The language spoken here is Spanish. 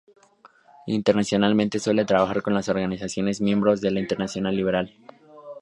Internacionalmente suele trabajar con las organizaciones miembros de la Internacional Liberal.